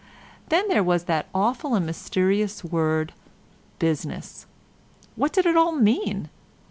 Then there was that awful and mysterious word 'business.' What did it all mean?